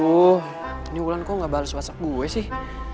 aduh ini wulan kok gak bales whatsapp gue sih